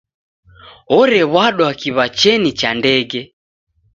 Orew'adwa kiw'achenyi cha ndege.